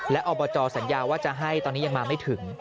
และอบจสัญญาว่าจะให้ตอนนี้ยังมาไม่ถึง